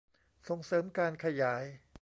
ส่งเสริมการขยาย